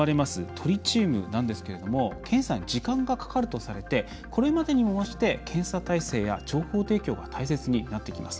トリチウムなんですけれども検査に時間がかかるとされてこれまでにも増して検査体制や情報提供が大切になってきます。